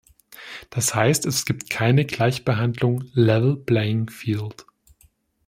Das heißt, es gibt keine Gleichbehandlung "level playing field".